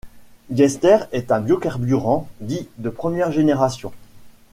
Diester est un biocarburant dit de première génération.